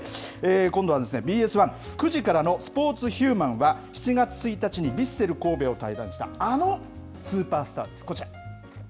今度はＢＳ１、９時からのスポーツ×ヒューマンは７月１日にヴィッセル神戸を退団した、あのスーパースターです。